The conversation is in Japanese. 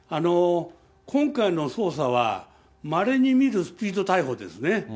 今回の捜査は、まれに見るスピード逮捕ですね。